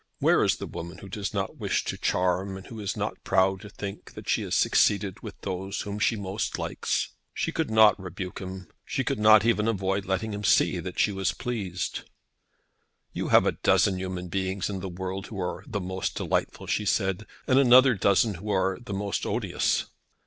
Where is the woman who does not wish to charm, and is not proud to think that she has succeeded with those whom she most likes? She could not rebuke him. She could not even avoid letting him see that she was pleased. "You have a dozen human beings in the world who are the most delightful," she said, "and another dozen who are the most odious."